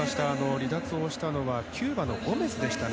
離脱をしたのはキューバのゴメスでしたね。